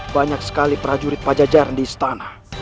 banyak sekali prajurit pajajaran di istana